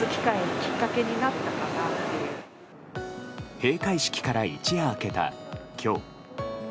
閉会式から一夜明けた今日。